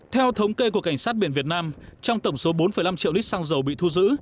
theo thống kê của cảnh sát biển việt nam trong tổng số bốn năm triệu lít xăng dầu bị thu giữ